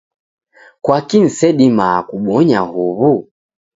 Kwaki nisedimaa kubonya huw'u?